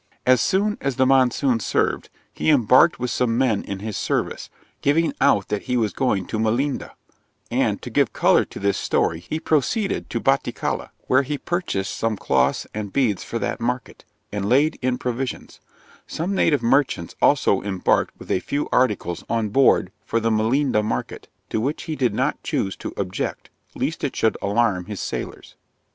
'As soon as the monsoon served, he embarked with some men in his service, giving out that he was going to Melinde; and, to give colour to this story, he proceeded to Baticala, where he purchased some cloths and beads for that market, and laid in provisions; some native merchants also embarked with a few articles on board for the Melinde market, to which he did not choose to object, lest it should alarm his sailors.